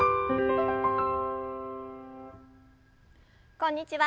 こんにちは。